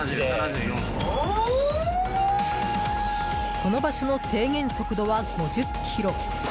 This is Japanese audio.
この場所の制限速度は５０キロ。